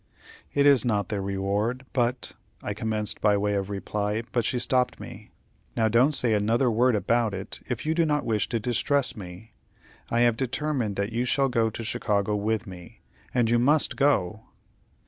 "It is not the reward, but " I commenced, by way of reply, but she stopped me: "Now don't say another word about it, if you do not wish to distress me. I have determined that you shall go to Chicago with me, and you must go."